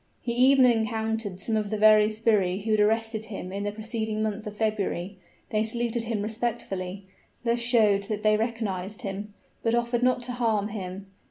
He even encountered some of the very sbirri who had arrested him in the preceding month of February; they saluted him respectfully thus showed that they recognized him but offered not to harm him.